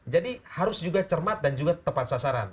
jadi harus juga cermat dan juga tepat sasaran